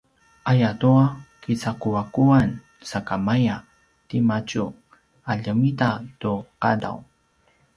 ayatua kicaquaquan sakamaya timadju a ljemita tu qadaw